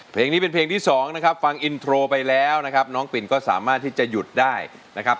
เพลงนี้เป็นเพลงที่สองนะครับฟังอินโทรไปแล้วนะครับน้องปิ่นก็สามารถที่จะหยุดได้นะครับ